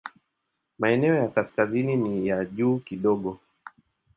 Maeneo ya kaskazini ni ya juu kidogo.